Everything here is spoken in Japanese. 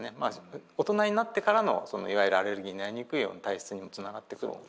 大人になってからのそのいわゆるアレルギーになりにくいような体質にもつながってくる。